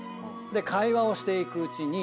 で会話をしていくうちに。